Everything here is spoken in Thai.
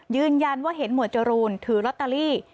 เห็นว่าเห็นหมวดจรูนถือลอตเตอรี่